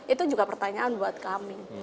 itu juga pertanyaan buat kami